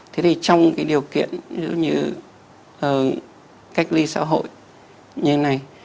thế thì trong cái điều kiện giống như cách ly xã hội như thế này